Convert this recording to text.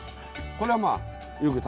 これはまあよく食べる。